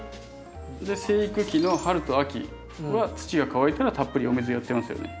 で生育期の春と秋は土が乾いたらたっぷりお水やってますよね？